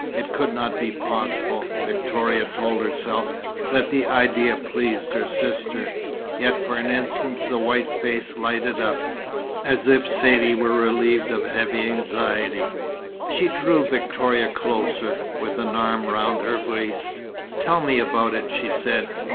It could not be possible, Victoria told herself, that the idea pleased her sister. Yet for an instant the white face lighted up, as if Saidee were relieved of heavy anxiety. She drew Victoria closer, with an arm round her waist. "Tell me about it," she said.